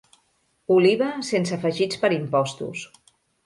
Oliva sense afegits per impostos.